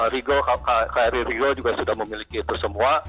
regal kri regal juga sudah memiliki itu semua